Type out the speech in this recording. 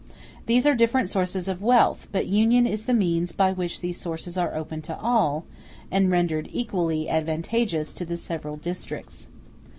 These are different sources of wealth; but union is the means by which these sources are opened to all, and rendered equally advantageous to the several districts.